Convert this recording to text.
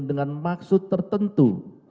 dengan maksud tertentu